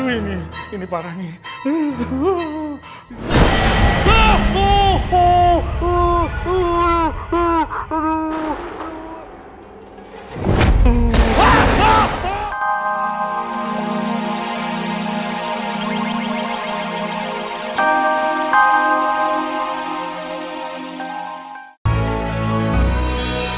ini ini parah nih